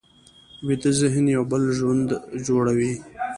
ویده ذهن یو بل ژوند جوړوي